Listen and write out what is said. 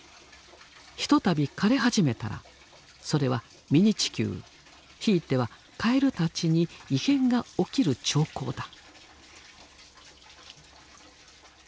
ひとたび枯れ始めたらそれはミニ地球ひいてはカエルたちに異変が起きる兆候だ。